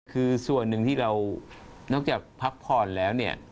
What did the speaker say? คือส่วนหนึ่งที่เรานอกจากพักพรแล้ว